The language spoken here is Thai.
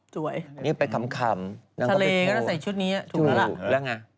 สวยนี่เป็นคำน้ำก็เอียนโโฟทะเลก็ใส่ชุดนี้อะถูกล่ะแหละ